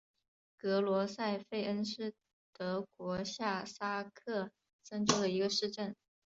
格罗塞费恩是德国下萨克森州的一个市镇。